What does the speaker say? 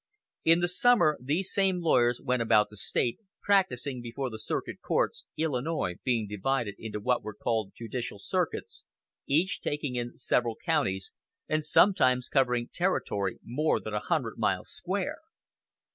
In the summer these same lawyers went about the State, practising before the circuit courts, Illinois being divided into what were called judicial circuits, each taking in several counties, and sometimes covering territory more than a hundred miles square.